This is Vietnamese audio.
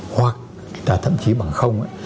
hoặc là thậm chí bằng không